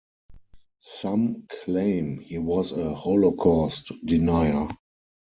Some claim he was a Holocaust denier.